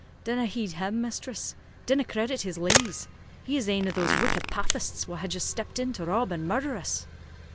"Dinna heed him, mistress, dinna credit his lees. He is ane o' those wicked Papists wha ha' just stepped in to rob and murder us."